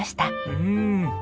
うん。